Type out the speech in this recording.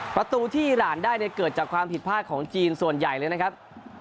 ประตูที่หลานได้เนี่ยเกิดจากความผิดพลาดของจีนส่วนใหญ่เลยนะครับ